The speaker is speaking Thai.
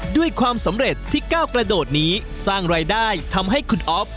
ด้วยความสำเร็จที่ก้าวกระโดดนี้สร้างรายได้ทำให้คุณอ๊อฟ